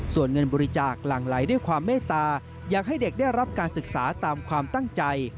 ส่วนเงินบริจาคหลั่งไหลด้วยความเมตตาอยากให้เด็กได้รับการศึกษาตามความตั้งใจ